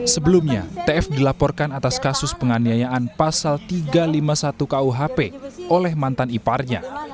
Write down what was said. sebelumnya tf dilaporkan atas kasus penganiayaan pasal tiga ratus lima puluh satu kuhp oleh mantan iparnya